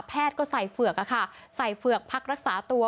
แพทย์ก็ใส่เผือกค่ะใส่เผือกพักรักษาตัว